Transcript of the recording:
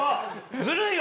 ずるいよ。